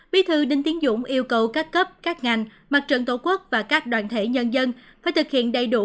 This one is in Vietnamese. bí thư đinh tiến dũng yêu cầu các cấp các ngành mặt trận tổ quốc và các đoàn thể nhân dân phải thực hiện đầy đủ